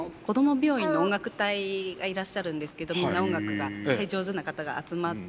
病院の音楽隊がいらっしゃるんですけどみんな音楽が上手な方が集まって。